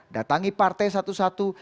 datangi partai satu satu